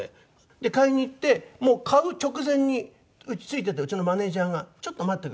買いに行ってもう買う直前にうちのマネジャーが「ちょっと待ってください」って。